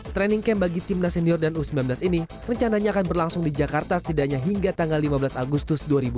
training camp bagi timnas senior dan u sembilan belas ini rencananya akan berlangsung di jakarta setidaknya hingga tanggal lima belas agustus dua ribu dua puluh